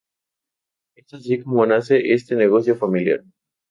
Es así como nace este negocio familiar.